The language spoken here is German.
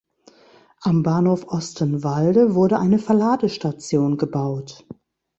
Am Bahnhof Ostenwalde wurde eine Verladestation gebaut.